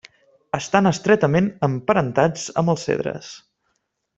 Estan estretament emparentats amb els cedres.